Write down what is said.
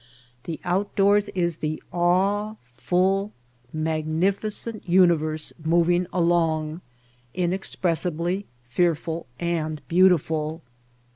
The outdoors is the awe full, mag nificent universe moving along, inexpressibly fearful and beautiful!